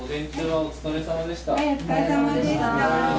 お疲れさまでした。